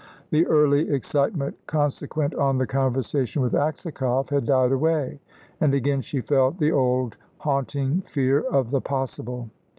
The early excitement consequent on the conversation with Aksakoff had died away, and again she felt the old haunting fear of the possible.